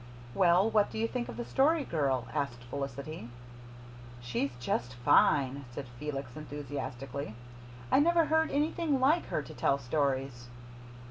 "Well, what do you think of the Story Girl?" asked Felicity. "She's just fine," said Felix, enthusiastically. "I never heard anything like her to tell stories."